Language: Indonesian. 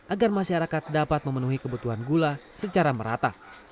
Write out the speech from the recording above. agar masyarakat dapat memenuhi kebutuhan gula secara merata